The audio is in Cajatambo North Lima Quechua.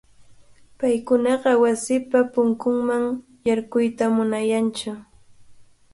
Paykunaqa wasipa punkunman yarquyta munantsu.